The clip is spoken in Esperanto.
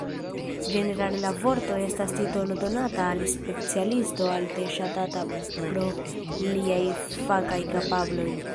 Ĝenerale la vorto estas titolo donata al specialisto alte ŝatata pro liaj fakaj kapabloj.